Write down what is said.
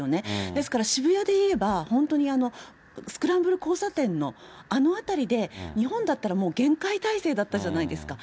ですから、渋谷で言えば、本当にスクランブル交差点の、あの辺りで、日本だったらもう、厳戒態勢じゃないですか。